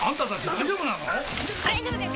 大丈夫です